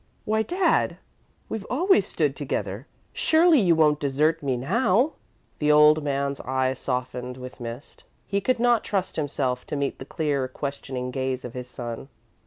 "Why, Dad! We've always stood together surely you won't desert me now?" The old man's eyes softened with mist. He could not trust himself to meet the clear, questioning gaze of his son.